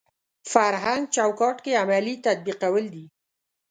فرهنګ چوکاټ کې عملي تطبیقول دي.